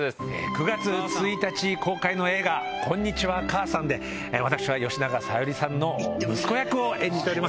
９月１日公開の映画『こんにちは、母さん』で私は吉永小百合さんの息子役を演じております。